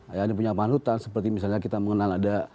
ada yang punya panutan seperti misalnya kita mengenal ada